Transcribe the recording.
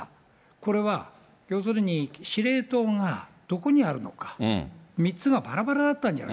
これは、要するに司令塔がどこにあるのか、３つがばらばらだったじゃない。